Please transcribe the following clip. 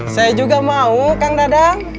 saya juga mau kang dadang